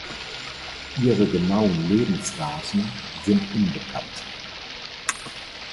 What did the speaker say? Ihre genauen Lebensdaten sind unbekannt.